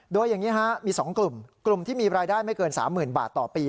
โดยอย่างนี้ฮะมี๒กลุ่มกลุ่มที่มีรายได้ไม่เกิน๓๐๐๐บาทต่อปี